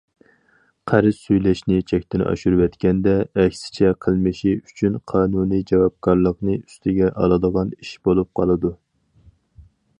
قەرز سۈيلەشنى چەكتىن ئاشۇرۇۋەتكەندە، ئەكسىچە، قىلمىشى ئۈچۈن قانۇنىي جاۋابكارلىقنى ئۈستىگە ئالىدىغان ئىش بولۇپ قالىدۇ.